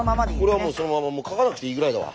これはもうそのままもう書かなくていいぐらいだわ。